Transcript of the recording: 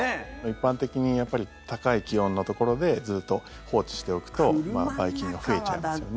一般的にやっぱり高い気温のところでずっと放置しておくとばい菌が増えちゃいますよね。